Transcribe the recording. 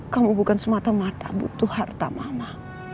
kamu bukan semata mata butuh harta mama